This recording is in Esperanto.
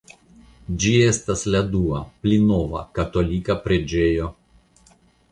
Ĝi estas la dua (pli nova) katolika preĝejo.